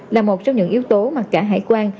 là một trong những yếu tố mà cả hải quan